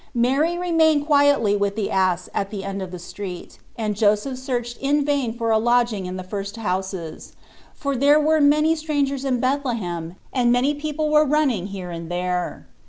Mary remained quietly with the ass at the end of the street, and Joseph searched in vain for a lodging in the first houses, for there were many strangers in Bethlehem and many people were running here and there.